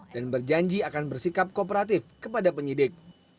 dan berjanji akan bersikap kooperatif kepada penyidik